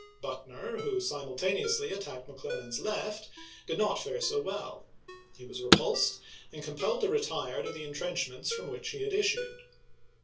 Buckner, who simultaneously attacked McClernand's left, did not fare so well. He was repulsed, and compelled to retire to the in trenchments from which he had issued.